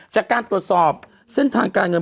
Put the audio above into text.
จากการตรวจสอบเส้นทางการเงิน